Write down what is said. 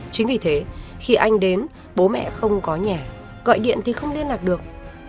chính vì thế khi anh đến bố mẹ không có nhà gọi điện thì không liên lạc được